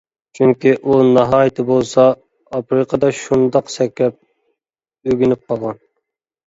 چۈنكى ئۇ، ناھايىتى بولسا، ئافرىقىدا شۇنداق سەكرەپ ئۆگىنىپ قالغان.